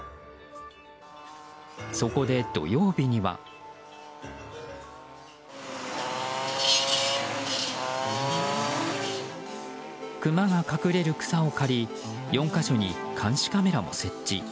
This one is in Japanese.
そこで、土曜日には。クマが隠れる草を刈り４か所に監視カメラも設置。